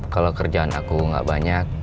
kalau kerjaan aku gak banyak